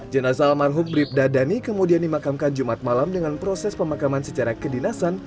jenazah almarhum bribda dhani kemudian dimakamkan jumat malam dengan proses pemakaman secara kedinasan